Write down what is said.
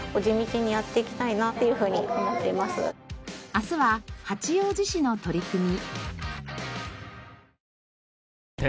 明日は八王子市の取り組み。